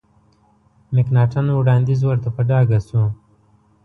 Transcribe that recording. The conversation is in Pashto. مکناټن وړاندیز ورته په ډاګه شو.